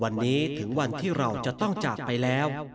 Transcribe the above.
วันนี้ถึงวันที่เราจะต้องจากไปแล้ว